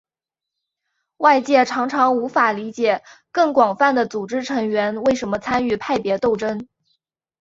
外界常常无法理解更广泛的组织成员为什么参与派别斗争。